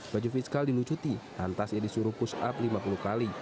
baju fiskal dilucuti lantas ia disuruh push up lima puluh kali